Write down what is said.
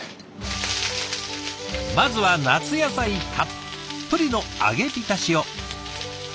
まずは夏野菜たっぷりの揚げびたしを。